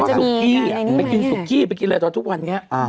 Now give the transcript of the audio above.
สุกี้ไปกินสุกี้ไปกินอะไรตอนทุกวันนี้